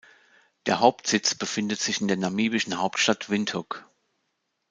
Der Hauptsitz befindet sich in der namibischen Hauptstadt Windhoek.